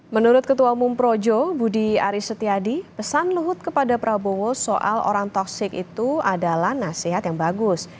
menurut ketua umum projo budi aris setiadi pesan luhut kepada prabowo soal orang tosik itu adalah nasihat yang bagus